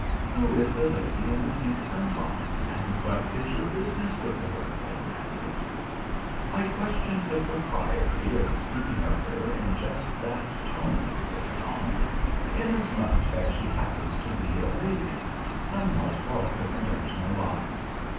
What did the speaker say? "Who is the lady in the pink sunbonnet, and what is your business with her?" I demanded. "I question the propriety of speaking of her in just that tone," said Tom, "inasmuch as she happens to be a lady somewhat off the conventional lines.